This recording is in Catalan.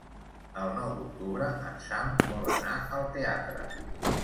El nou d'octubre en Sam vol anar al teatre.